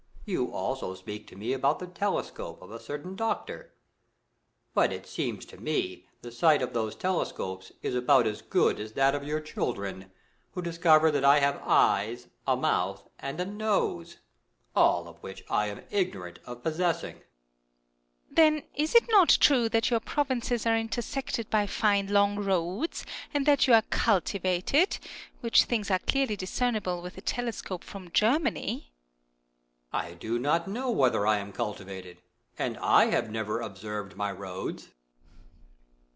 You also speak to me about the telescope of a certain doctor. But it seems to me the sight of these telescopes is about as good as that of your children, who discover that I have eyes, a mouth, and a nose, all of which I am ignorant of possessing. Earth. Then it is not true that your provinces are intersected by fine long roads, and that you are culti 44 DIALOGUE BETWEEN vated ; which things are clearly discernible with a tele scope from Germany.